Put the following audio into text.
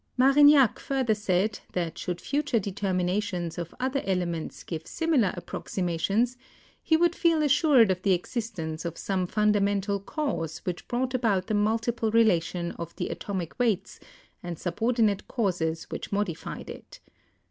Marignac further said that should future determinations of other elements give similar approximations he would feel as sured of the existence of some fundamental cause which brought about the multiple relation of the atomic weights and subordinate causes which modified it.